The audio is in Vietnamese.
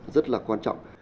rất là quan trọng